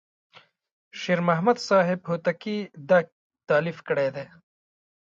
شیر محمد صاحب هوتکی دا تألیف کړی دی.